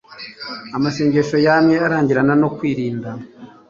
amasengesho yamye arangirana no kwirinda